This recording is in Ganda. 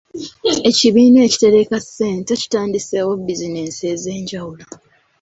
Ekibiina ekitereka ssente kitandiseewo bizinensi ez'enjawulo.